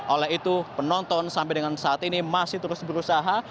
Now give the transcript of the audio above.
oleh itu penonton sampai dengan saat ini masih terus berusaha